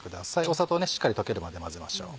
砂糖しっかり溶けるまで混ぜましょう。